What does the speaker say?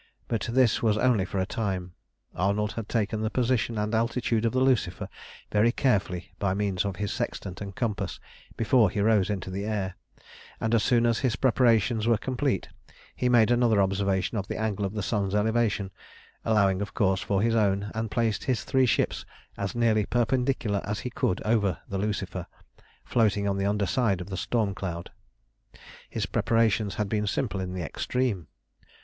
But this was only for a time. Arnold had taken the position and altitude of the Lucifer very carefully by means of his sextant and compass before he rose into the air, and as soon as his preparations were complete he made another observation of the angle of the sun's elevation, allowing, of course, for his own, and placed his three ships as nearly perpendicular as he could over the Lucifer, floating on the under side of the storm cloud. His preparations had been simple in the extreme.